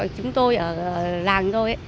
chúng tôi ở làng thôi